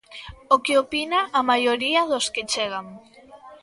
O que opinan a maioría dos que chegan.